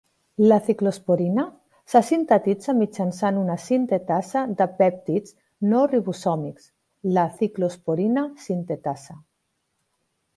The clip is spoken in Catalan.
La ciclosporina se sintetitza mitjançant una sintetasa de pèptids no ribosòmics, la ciclosporina sintetasa.